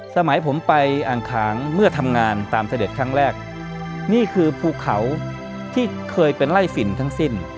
สมัยผมไปอ่างขางเมื่อทำงานตามเสด็จครั้งแรกนี่คือภูเขาที่เคยเป็นไล่ฝิ่นทั้งสิ้น